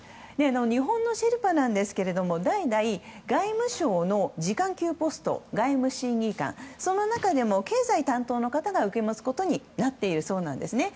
日本のシェルパですが代々、外務省の次官級ポスト外務審議官その中でも経済担当の方が受け持つことになっているそうです。